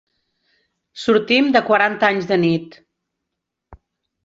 Sortim de quaranta anys de nit.